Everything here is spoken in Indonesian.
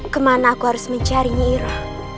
kemana aku harus mencarinya iroh